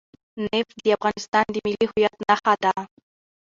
نفت د افغانستان د ملي هویت نښه ده.